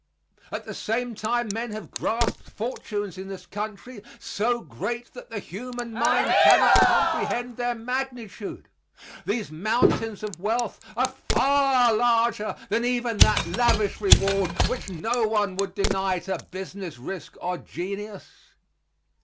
At the same time men have grasped fortunes in this country so great that the human mind cannot comprehend their magnitude. These mountains of wealth are far larger than even that lavish reward which no one would deny to business risk or genius.